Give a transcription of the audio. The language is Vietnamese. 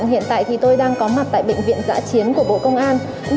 tuy nhiên tại đây thì các y bác sĩ vẫn đang thực hiện nhiệm vụ hàng ngày của mình